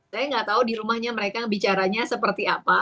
saya nggak tahu di rumahnya mereka bicaranya seperti apa